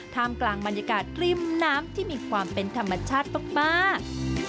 กลางบรรยากาศริมน้ำที่มีความเป็นธรรมชาติมาก